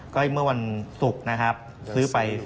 ก็เมื่อวันศุกร์นะครับซื้อไป